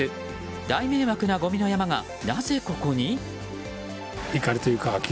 大迷惑なごみの山がなぜここに？